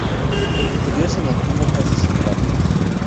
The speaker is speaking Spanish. El interior se mantuvo casi sin cambios.